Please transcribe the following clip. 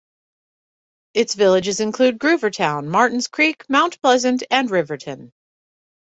Its villages include Gruvertown, Martins Creek, Mount Pleasant, and Riverton.